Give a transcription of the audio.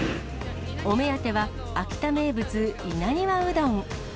お目当ては、秋田名物、稲庭うどん。